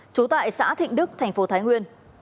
trú tại xã thịnh đức tp thái nguyên